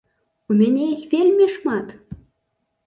У мяне іх вельмі шмат!